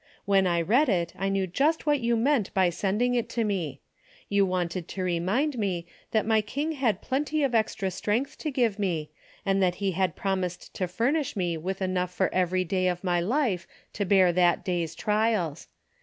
When I read it I knew just what you meant by sending it to me. You wanted to remind me that my King had plenty of extra strength to give me, and that he had promised to furnish me with enough for every day of my life to bear that day's trials.